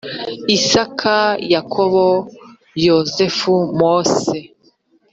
isaka yakobo yozefu mose